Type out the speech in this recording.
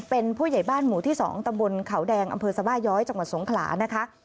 เป็นผู้ใหญ่บ้านหมู่ที่๒ตำบลเขาแดงอำเภอสบาย้อยจังหวัดสงขลานะคะ